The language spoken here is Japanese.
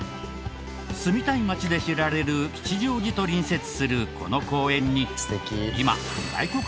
住みたい街で知られる吉祥寺と隣接するこの公園に。